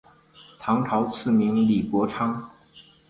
唐朝赐名李国昌。